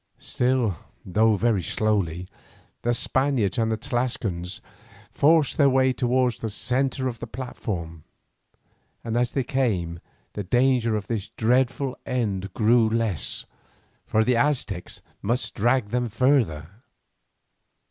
Still, though very slowly, the Spaniards and Tlascalans forced their way towards the centre of the platform, and as they came the danger of this dreadful end grew less, for the Aztecs must drag them further.